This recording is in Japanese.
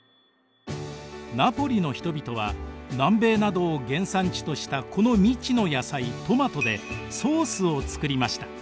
ナポリの人々は南米などを原産地としたこの未知の野菜トマトでソースを作りました。